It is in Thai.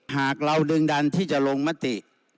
หากเราดึงดันที่จะลงมติ